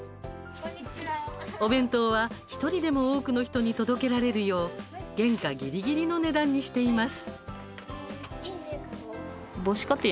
お弁当は、１人でも多くの人に届けられるよう原価ぎりぎりの値段にしています。